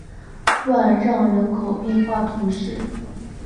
万让人口变化图示